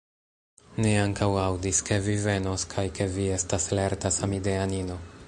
Ni ankaŭ aŭdis, ke vi venos, kaj ke vi estas lerta samideanino.